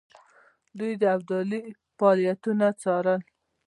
دوی د ابدالي فعالیتونه څارل.